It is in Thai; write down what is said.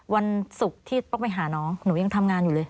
วันศุกร์ที่ต้องไปหาน้องหนูยังทำงานอยู่เลย